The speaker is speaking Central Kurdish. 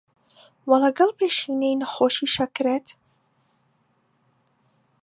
وە لەگەڵ پێشینەی نەخۆشی شەکرەت